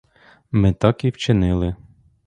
Ми так і вчинили.